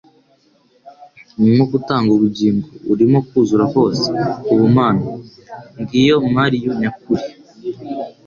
Umwuka utanga ubugingo, urimo kuzura kose k'ubumana; ngiyo Mariu nyakuri.